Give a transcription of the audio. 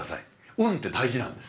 運って大事なんです。